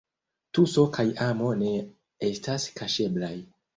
Tuso kaj amo ne estas kaŝeblaj.